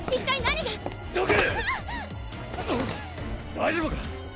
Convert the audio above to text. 大丈夫か？